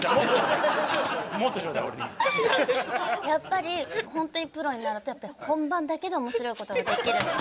やっぱり本当にプロになると本番だけで面白いことができる。